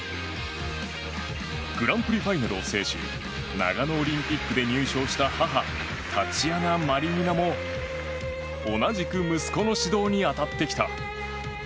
グランプリファイナルを制し長野オリンピックで入賞した母タチアナ・マリニナも同じく息子の指導に当たってきた。